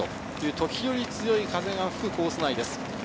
時折、強い風が吹くコース内です。